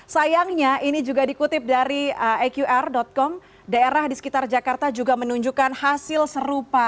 sayangnya ini juga dikutip dari eqr com daerah di sekitar jakarta juga menunjukkan hasil serupa